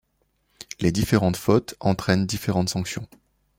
Les différentes fautes entrainent différentes sanctions.